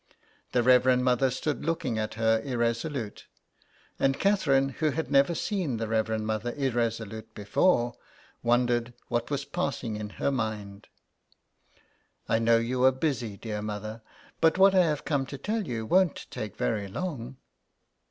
The Reverend Mother stood looking at her, irre solute; and Catherine, who had never seen the Reverend Mother irresolute before, wondered what was passing in her mind. '' I know you are busy, dear mother, but what I have come to tell you won't take very long."